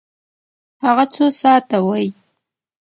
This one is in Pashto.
هغه څو ساعته وی؟